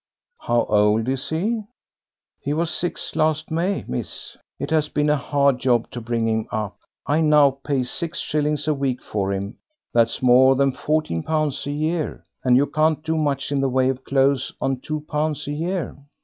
"How old is he?" "He was six last May, miss. It has been a hard job to bring him up. I now pay six shillings a week for him, that's more than fourteen pounds a year, and you can't do much in the way of clothes on two pounds a year.